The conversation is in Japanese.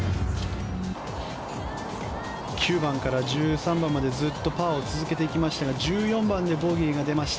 ９番から１３番までずっとパーを続けてきましたが１４番でボギーが出ました。